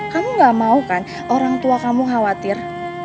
kamu gak mau kan orang tua kamu khawatir